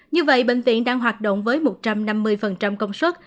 như vậy bệnh viện đang hoạt động với một trăm năm mươi công suất